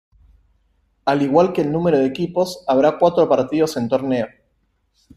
Al igual que el número de equipos, habrá cuatro partidos en torneo.